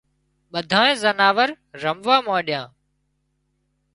ٻڌانئي زناور رموا مانڏيا